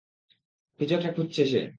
কিছু একটা খুঁজছে সে!